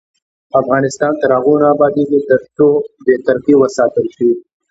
افغانستان تر هغو نه ابادیږي، ترڅو بې طرفي وساتل شي.